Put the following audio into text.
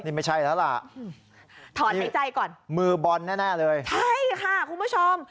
นี่ไม่ใช่แล้วล่ะถอนหายใจก่อนมือบอลแน่แน่เลยใช่ค่ะคุณผู้ชม